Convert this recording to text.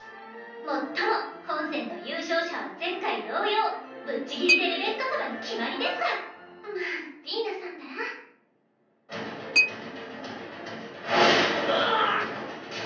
もっとも本戦の優勝者は前回同様ぶっちぎりでレベッカ様に決まりですがまあディーナさんったらうわあ！